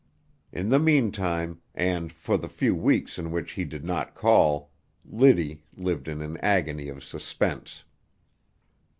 In the meantime, and for the few weeks in which he did not call, Liddy lived in an agony of suspense.